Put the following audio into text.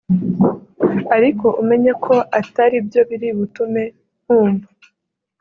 Ariko umenye ko atari byo biri butume nkumva